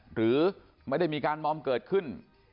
หรือไม่ได้มีการมอมเกิดขึ้น